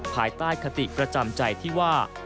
ภายใต้คติประจำใจที่ว่า